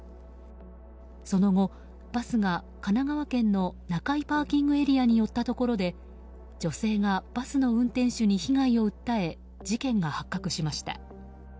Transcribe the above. その後、バスが神奈川県の中井ＰＡに寄ったところで女性がバスの運転手に被害を訴え事件が発覚しました。